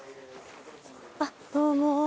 あっどうも。